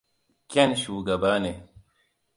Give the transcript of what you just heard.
Ken shugaba ne.